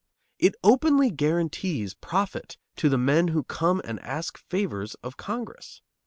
It openly guarantees profit to the men who come and ask favors of Congress.